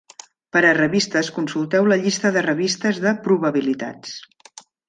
Per a revistes, consulteu la llista de revistes de probabilitats.